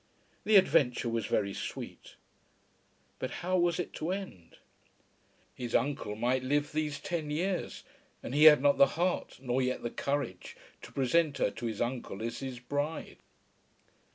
The adventure was very sweet. But how was it to end? His uncle might live these ten years, and he had not the heart, nor yet the courage, to present her to his uncle as his bride.